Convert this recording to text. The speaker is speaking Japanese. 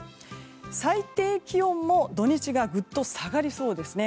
最低気温も土日がぐっと下がりそうですね。